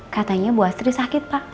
katanya bu astri sakit pak